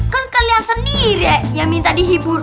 kan kalian sendiri yang minta dihibur